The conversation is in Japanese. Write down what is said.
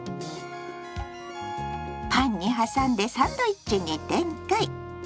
パンに挟んでサンドイッチに展開！